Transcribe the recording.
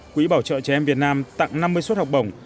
quỹ bảo trợ trẻ em việt nam tặng năm mươi suất học bổng